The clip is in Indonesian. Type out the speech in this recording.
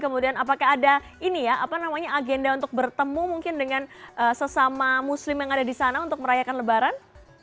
kemudian apakah ada ini ya apa namanya agenda untuk bertemu mungkin dengan sesama muslim yang ada di sana untuk merayakan lebaran